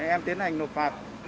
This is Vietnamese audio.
em tiến hành nộp phạt